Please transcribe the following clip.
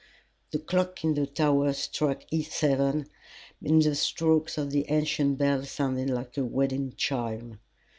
The clock in the tower struck seven, and the strokes of the ancient bell sounded like a wedding chime.